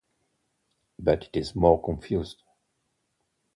But it is more confused.